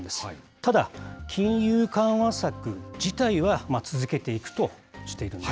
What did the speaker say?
ただ、金融緩和策自体は続けていくとしているんです。